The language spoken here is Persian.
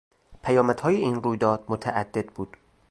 پیامدهای این رویداد متعدد بود.